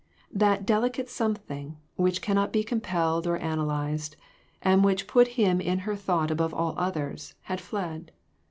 That delicate something which cannot be compelled or analyzed, and which put him in her thought above all others, had fled.